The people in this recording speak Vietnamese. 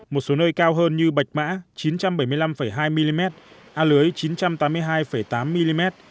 một số nơi cao hơn như bạch mã chín trăm bảy mươi năm hai mm a lưới chín trăm tám mươi hai tám mm